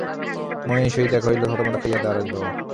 মোহিনীর সহিত দেখা হইল, থতমত খাইয়া দাঁড়াইল।